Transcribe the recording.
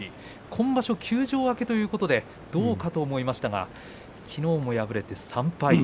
今場所、休場明けということでどうかと思われましたがきのうも敗れて３敗。